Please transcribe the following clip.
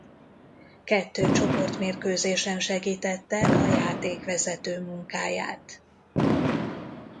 Kettő csoportmérkőzésen segítette a játékvezető munkáját.